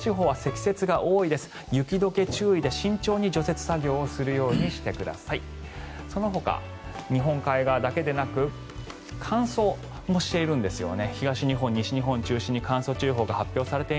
雪解け注意で慎重に除雪作業をするようにしてください。